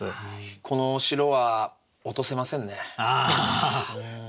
この城は落とせませんね。